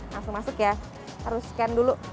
langsung masuk ya harus scan dulu